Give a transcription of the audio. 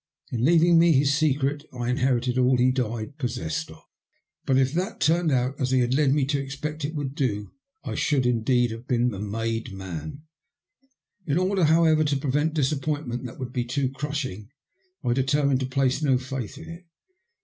In leaving me his secret, I inherited all he died possessed of. But if that turned out as he had led me to expect it would do, I should, indeed, be a made man. In order, however, to prevent a disappointment that would be too crushing, I determined to place no faith in it.